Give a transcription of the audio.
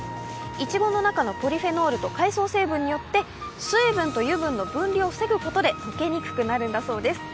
いちごの中のポリフェノールと海草成分によって水分と油分の分離を防ぐことで溶けにくくなるんだそうです。